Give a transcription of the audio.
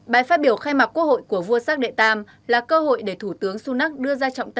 bài phát biểu khai mạc quốc hội của vua charles viii là cơ hội để thủ tướng sunak đưa ra trọng tâm